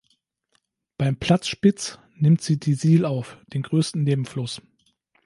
Beim Platzspitz nimmt sie die Sihl auf, den grössten Nebenfluss.